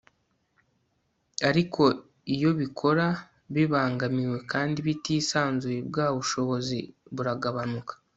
ariko iyo bikora bibangamiwe kandi bitisanzuye bwa bushobozi buragabanuka